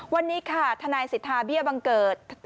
วันนี้ค่ะทนายสิทธาเบี้ยบังเกิด